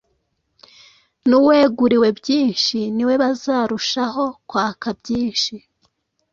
n’uweguriwe byinshi, ni we bazarushaho kwaka byinshi.”